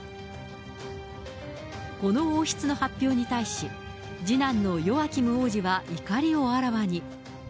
この王室の発表に対し、次男のヨアキム王子は怒りをあらわに。